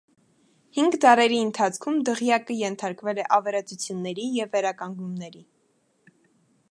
Հինգ դարերի ընթացքում դղյակը ենթարկվել է ավերածությունների և վերականգնումների։